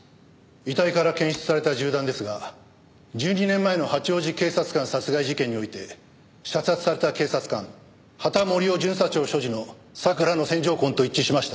遺体から検出された銃弾ですが１２年前の八王子警察官殺害事件において射殺された警察官羽田守雄巡査長所持のＳＡＫＵＲＡの線条痕と一致しました。